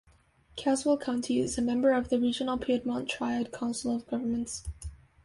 Caswell County is a member of the regional Piedmont Triad Council of Governments.